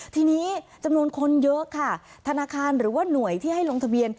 ทีนี้จำนวนคนเยอะค่ะธนาคารหรือว่าหน่วยที่ให้ลงทะเบียน